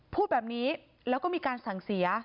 พูดแบบนี้แล้วก็มีการสั่งเสีย